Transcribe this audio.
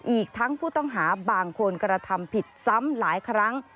อีกทั้งผู้ต้องหาบางคนกระทำผิดซ้ำหลายครั้ง